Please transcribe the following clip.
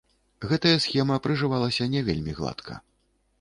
Гэтая схема прыжывалася не вельмі гладка.